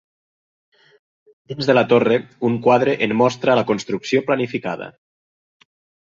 Dins de la torre, un quadre en mostra la construcció planificada.